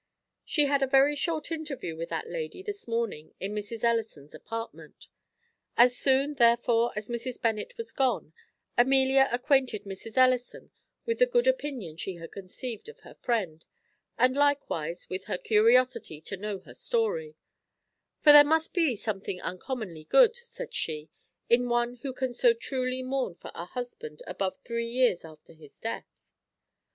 She had a very short interview with that lady this morning in Mrs. Ellison's apartment. As soon, therefore, as Mrs. Bennet was gone, Amelia acquainted Mrs. Ellison with the good opinion she had conceived of her friend, and likewise with her curiosity to know her story: "For there must be something uncommonly good," said she, "in one who can so truly mourn for a husband above three years after his death."